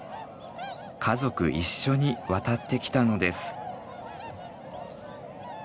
家族一緒に渡ってきたのです。